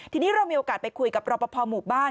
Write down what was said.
ทีนี้เรามีโอกาสไปคุยกับรอปภหมู่บ้าน